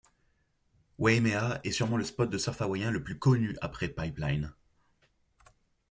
Waimea est surement le spot de surf hawaïen le plus connu après Pipeline.